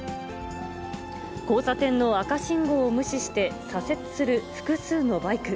交差点の赤信号を無視して左折する複数のバイク。